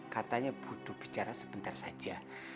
katanya butuh bicara sebentar saja